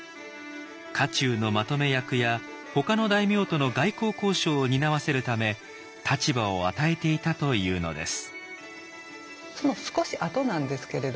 家中のまとめ役やほかの大名との外交交渉を担わせるため立場を与えていたというのです。